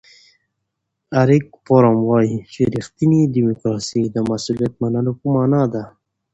اریک فروم وایي چې ریښتینې دیموکراسي د مسؤلیت منلو په مانا ده.